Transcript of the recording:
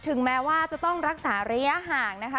ถึงแม้ว่าจะต้องรักษาระยะห่างนะคะ